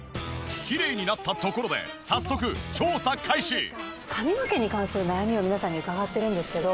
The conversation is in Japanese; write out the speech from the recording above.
きれいになったところで早速髪の毛に関する悩みを皆さんに伺ってるんですけど。